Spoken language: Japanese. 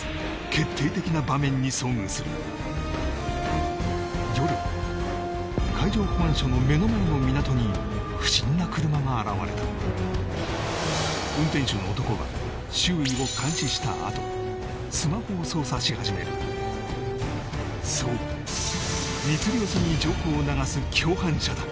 決定的な場面に遭遇する夜海上保安署の目の前の港に不審な車が現れたしたあとスマホを操作し始めるそう密漁船に情報を流す共犯者だ